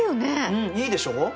うんいいでしょう？